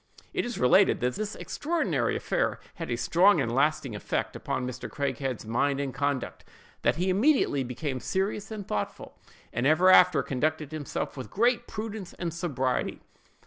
"It is related that this extraordinary affair had a strong and lasting effect upon Mr. Craighead's mind and conduct; that he immediately became serious and thoughtful, and ever after conducted himself with great prudence and sobriety."